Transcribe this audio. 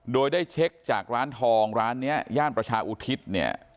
โดยได้เช็คจากร้านทองร้านนี้ย่านประชาอุทิศเนี่ย